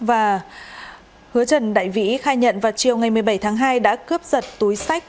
và hứa trần đại vĩ khai nhận vào chiều ngày một mươi bảy tháng hai đã cướp giật túi sách